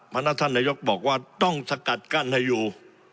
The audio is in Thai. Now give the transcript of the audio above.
เพราะฉะนั้นท่านนายกบอกว่าต้องสกัดกั้นให้อยู่